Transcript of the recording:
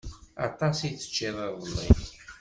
Aṭas i teččiḍ iḍelli.